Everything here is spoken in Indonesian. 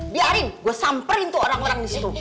biarin gue samperin tuh orang orang di situ